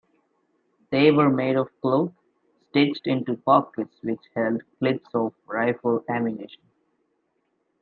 They were made of cloth, stitched into pockets which held clips of rifle ammunition.